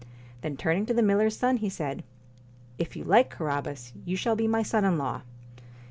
Then turning to the miller's son, he said :* If you like, Carabas, you shall be my son in law.